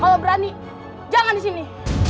kalau berani jangan di sini